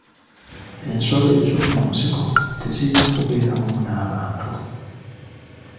Ensolo ez'omu nsiko tezirina kubeera wamu n'abantu.